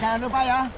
saya jangan lupa ya